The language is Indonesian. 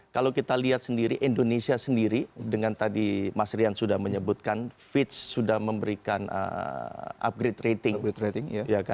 kalau kita lihat sendiri indonesia sendiri dengan tadi mas rian sudah menyebutkan fitch sudah memberikan upgrade rating